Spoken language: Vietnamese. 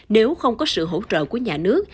nếu không có sự hỗ trợ của nhà nước